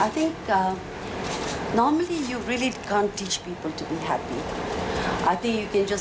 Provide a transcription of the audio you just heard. สิ่งที่เราก็ได้ในช่วงชีวิตความสุข